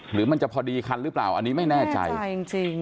หรือมันจะพอดีคันหรือเปล่าอันนี้ไม่แน่ใจใช่จริง